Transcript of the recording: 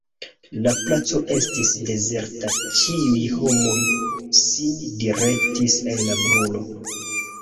La placo estis dezerta: ĉiuj homoj sin direktis al la brulo.